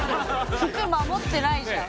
服守ってないじゃん。